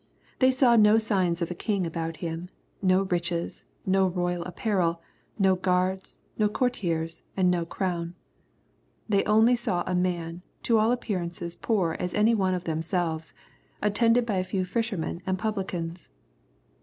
They saw no signs of a king about Him, no riches, no royal apparel, no guards, no courtiers, and no crown. They only saw a man, to all appearance poor as any one of themselves, attended by a few fishermen and publicans.